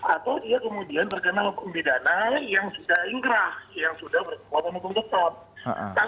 atau dia kemudian berkena hukum bidana yang sudah inggrah yang sudah berkekuatan hukum tetap